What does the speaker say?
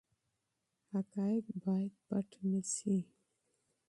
حقایق باید پټ نه سي.